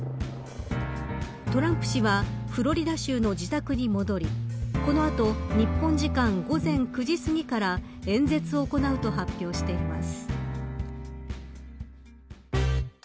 トランプ氏はフロリダ州の自宅に戻りこの後日本時間午前９時すぎから演説を行うと発表しています。